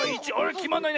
きまんないね。